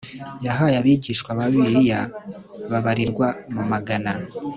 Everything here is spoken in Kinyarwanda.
yahaye Abigishwa ba Bibiliya babarirwa mu magana